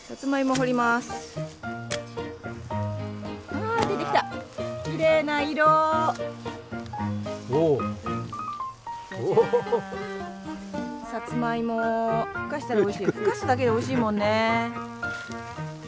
ふかすだけでおいしいもんね。